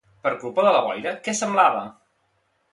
Per culpa de la boira, què semblava?